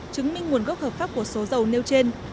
chứng minh nguồn gốc hợp pháp của số dầu nêu trên